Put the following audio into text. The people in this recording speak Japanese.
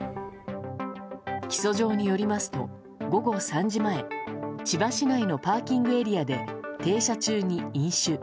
起訴状によりますと午後３時前千葉市内のパーキングエリアで停車中に飲酒。